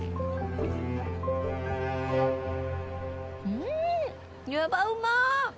うんやばうま！